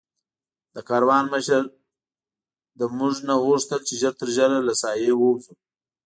د کاروان مشر له موږ نه وغوښتل چې ژر تر ژره له ساحې ووځو.